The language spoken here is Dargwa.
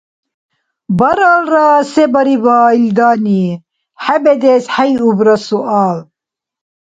— Баралра се барибара илдани? — хӏебедес хӏейубра суал.